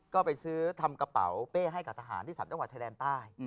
ก็ไปซื้อทำกระเป๋าเป้ให้กับทหารที่๓จังหวัดชายแดนใต้